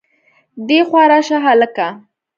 دېخوا راشه هلکه